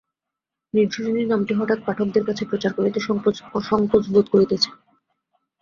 নির্ঝরিণী নামটি হঠাৎ পাঠকদের কাছে প্রচার করিতে সংকোচবোধ করিতেছি।